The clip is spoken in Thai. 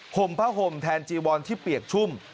ห่มผ้าห่มแทนจีวอนที่เปียกชุ่ม